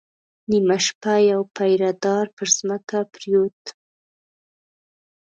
نيمه شپه يو پيره دار پر ځمکه پرېووت.